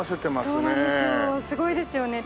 すごいですよね。